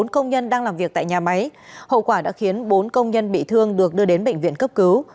bốn công nhân đang làm việc tại nhà máy hậu quả đã khiến bốn công nhân bị thương được đưa đến bệnh viện cấp cứu